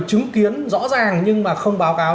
chứng kiến rõ ràng nhưng mà không báo cáo